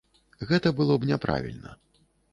Гэта было б няправільна.